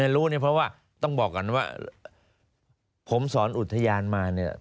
รู้เนี่ยเพราะว่าต้องบอกก่อนว่าผมสอนอุทยานมาเนี่ย